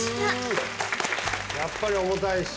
やっぱり重たいし。